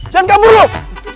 sini loh kabur kabur